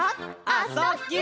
「あ・そ・ぎゅ」